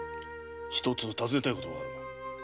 ひとつ尋ねたいことがある。